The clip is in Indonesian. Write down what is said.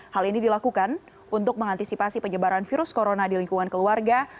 hal ini dilakukan untuk mengantisipasi penyebaran virus corona di lingkungan keluarga